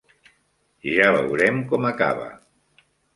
Ja veurem com acaba.